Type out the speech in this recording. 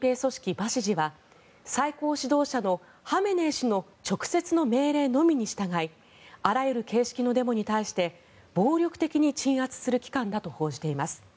バシジは最高指導者のハメネイ師の直接の命令のみに従いあらゆる形式のデモに対して暴力的に鎮圧する機関だといいます。